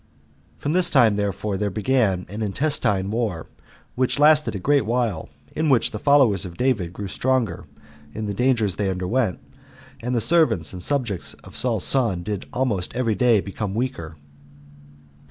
From this time therefore there began an intestine war, which lasted a great while, in which the followers of David grew stronger in the dangers they underwent, and the servants and subjects of Saul's sons did almost every day become weaker.